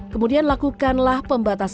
kemudian lakukanlah pembatasan akses online